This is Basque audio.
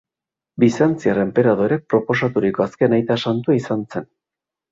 Bizantziar enperadoreak proposaturiko azken aita santua izan zen.